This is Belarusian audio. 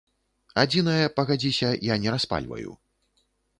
Адзінае, пагадзіся, я не распальваю.